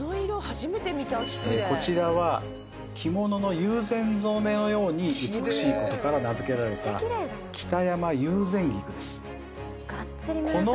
こちらは着物の友禅染のように美しいことから名付けられた北山友禅菊です。